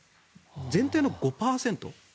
全体の５％。